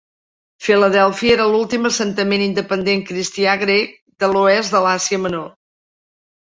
Filadèlfia era l'últim assentament independent cristià grec de l'oest d'Àsia Menor.